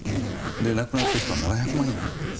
亡くなった人は７００万人いるわけです。